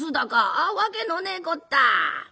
わけのねえこった」。